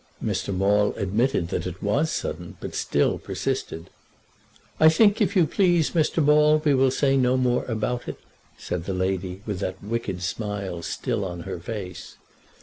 Mr. Maule admitted that it was sudden, but still persisted. "I think, if you please, Mr. Maule, we will say no more about it," said the lady, with that wicked smile still on her face.